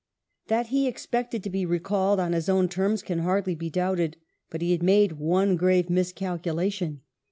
That he expected to be recalled »on his own terms can hardly be doubted ; but he had made one grave miscalculation.